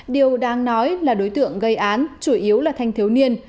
điều đáng nói là đối tượng gây án chủ yếu là thanh thiếu niên